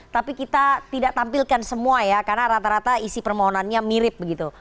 tapi kita tidak tampilkan semua ya karena rata rata isi permohonannya mirip begitu